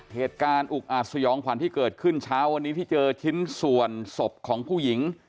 เหตุการณ์อุกอาจสยองขวัญที่เกิดขึ้นเช้าวันนี้ที่เจอชิ้นส่วนศพของผู้หญิง